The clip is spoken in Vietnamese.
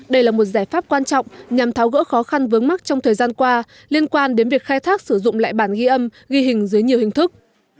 đây là một giải pháp quan trọng nhằm tháo gỡ khó khăn vướng mắt trong thời gian qua liên quan đến việc khai thác sử dụng lại bản ghi âm ghi hình dưới nhiều hình thức